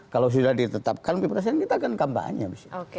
kalau sudah ditetapkan kita kan kampanye